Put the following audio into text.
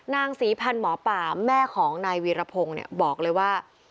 นางศรีพันธ์หมอป่าแม่ของนายวีรพงศ์บอกเลยว่า